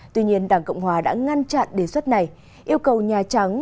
tuy nhiên đảng cộng hòa đã ngăn chặn đề xuất này yêu cầu nhà trắng